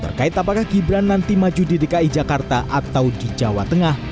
terkait apakah gibran nanti maju di dki jakarta atau di jawa tengah